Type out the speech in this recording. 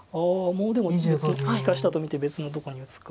もうでも利かしたと見て別のとこに打つか。